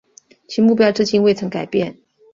其目标至今未曾改变。